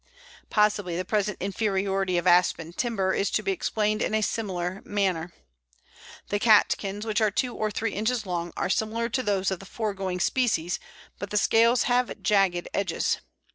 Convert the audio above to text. Possibly the present inferiority of Aspen timber is to be explained in a similar manner. The catkins, which are two or three inches long, are similar to those of the foregoing species, but the scales have jagged edges.